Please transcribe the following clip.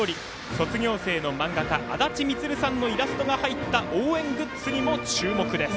卒業生の漫画家あだち充さんのイラストが入った応援グッズにも注目です。